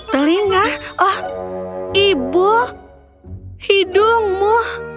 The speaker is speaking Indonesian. telinga oh ibu hidungmu